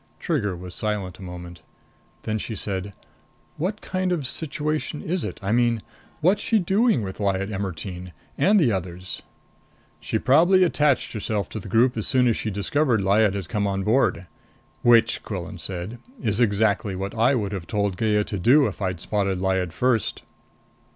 Trigger was silent a moment. Then she said, "What kind of situation is it? I mean, what's she doing with Lyad Ermetyne and the others?" "She probably attached herself to the group as soon as she discovered Lyad had come on board. Which," Quillan said, "is exactly what I would have told Gaya to do if I'd spotted Lyad first."